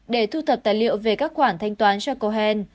để thu thập tài liệu về các khoản thanh toán cho cohen